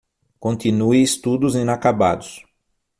Continue estudos inacabados